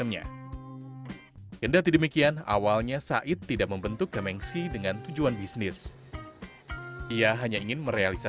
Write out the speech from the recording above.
baik dari kalangan muda hingga yang dewasa